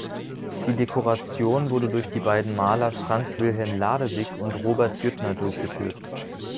Die Dekoration wurde durch die beiden Maler Franz Wilhelm Ladewig und Robert Jüttner durchgeführt.